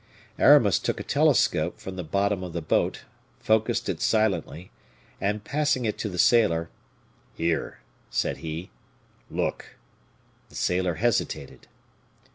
Aramis took a telescope from the bottom of the boat, focussed it silently, and passing it to the sailor, "Here," said he, "look!" The sailor hesitated.